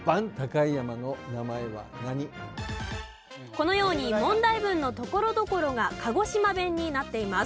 このように問題文のところどころが鹿児島弁になっています。